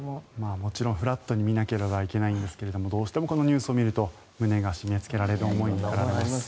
もちろんフラットに見なければいけないんですけれどもどうしてもこのニュースを見ると胸が締め付けられる思いになります。